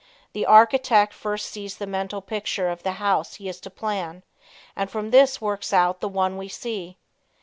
The architect first sees the mental picture of the house he is to plan and from this works out the one we see.